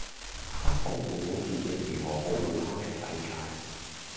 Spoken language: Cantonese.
不保護好自己如何保護她的世界